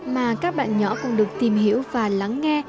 mà các bạn nhỏ cũng được tìm hiểu và lắng nghe